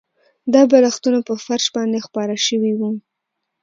دا بالښتونه په فرش باندې خپاره شوي وو